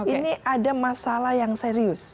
ini ada masalah yang serius